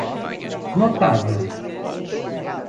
Notável.